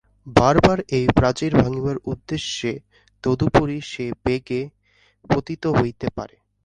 বার বার এই প্রাচীর ভাঙিবার উদ্দেশ্যে তদুপরি সে বেগে পতিত হইতে পারে।